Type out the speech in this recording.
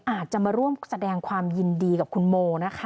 อาจจะมาร่วมแสดงความยินดีกับคุณโมนะคะ